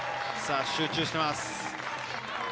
集中しています。